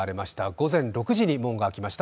午前６時に門が開きました。